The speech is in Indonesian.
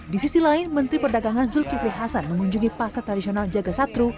di sisi lain menteri perdagangan zulkifli hasan mengunjungi pasar tradisional jaga satru